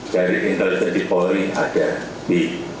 dari intelijen di polri ada b